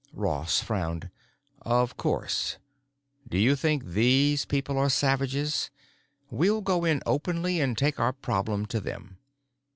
Ross frowned. "Of course. Do you think these people are savages? We'll go in openly and take our problem to them.